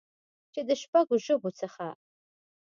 چې د شپږ ژبو څخه